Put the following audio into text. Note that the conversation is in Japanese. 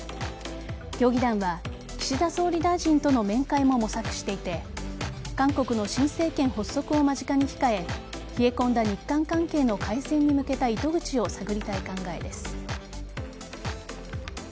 協議団は岸田総理大臣との面会も模索していて韓国の新政権発足を間近に控え冷え込んだ日韓関係の改善に向けた糸口を探りたい考えです。